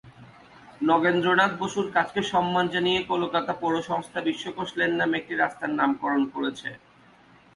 নগেন্দ্রনাথ বসুর কাজকে সম্মান জানিয়ে কলকাতা পৌরসংস্থা "বিশ্বকোষ" লেন নামে একটি রাস্তার নাম করণ করেছে।